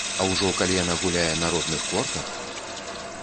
А ўжо калі яна гуляе на родных кортах!